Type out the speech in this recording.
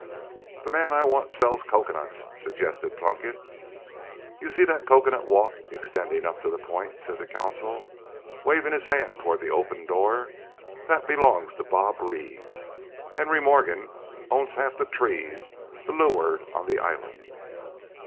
"The man I want sells cocoanuts," suggested Plunkett. "You see that cocoanut walk extending up to the point?" said the consul, waving his hand toward the open door. "That belongs to Bob Reeves. Henry Morgan owns half the trees to loo'ard on the island."